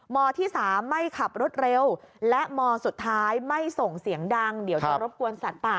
ที่๓ไม่ขับรถเร็วและมสุดท้ายไม่ส่งเสียงดังเดี๋ยวจะรบกวนสัตว์ป่า